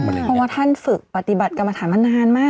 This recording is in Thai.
เพราะว่าท่านฝึกปฏิบัติกรรมฐานมานานมาก